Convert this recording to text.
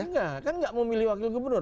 enggak kan enggak memilih wakil gubernur